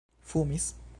fumis